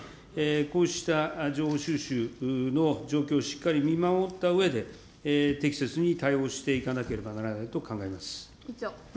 こうした情報収集の状況をしっかり見守ったうえで、適切に対応していかなければならないと考えます。